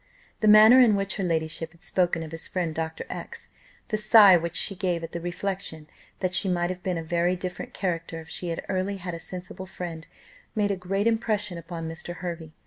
The manner in which her ladyship had spoken of his friend Dr. X , the sigh which she gave at the reflection that she might have been a very different character if she had early had a sensible friend, made a great impression upon Mr. Hervey.